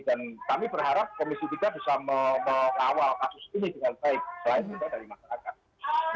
dan kami berharap komisi tiga bisa mengawal kasus ini dengan baik selain juga dari masyarakat